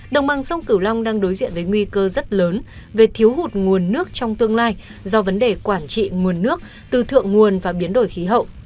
đồng bằng sông cửu long đang đối diện với nguy cơ rất lớn về thiếu hụt nguồn nước trong tương lai do vấn đề quản trị nguồn nước từ thượng nguồn và biến đổi khí hậu